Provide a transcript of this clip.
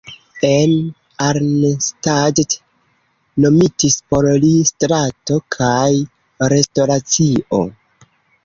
En Arnstadt nomitis por li strato kaj restoracio.